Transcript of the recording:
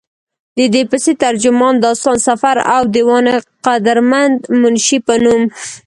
ددې پسې، ترجمان، داستان سفر او ديوان قدرمند منشي پۀ نوم